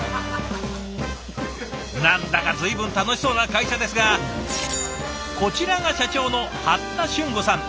何だか随分楽しそうな会社ですがこちらが社長の八田俊吾さん。